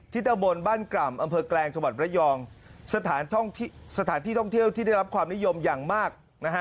ที่ตะบนบ้านกร่ำอำเภอแกลงสถานท่องเที่ยวที่ได้รับความนิยมอย่างมาก